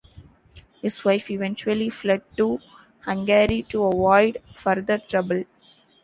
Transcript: His wife eventually fled to Hungary to avoid further trouble.